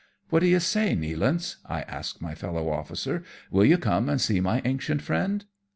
" What do you say, Nealance ?" I ask ray fellow ofBcer, " will you come and see my ancient friend